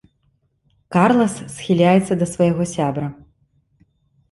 Карлас схіляецца да свайго сябра.